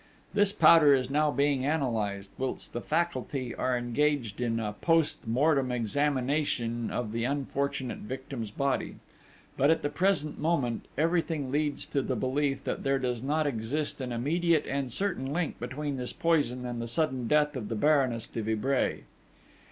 This powder is now being analysed, whilst the faculty are engaged in a post mortem examination of the unfortunate victim's body; but, at the present moment, everything leads to the belief that there does not exist an immediate and certain link between this poison and the sudden death of the Baroness de Vibray.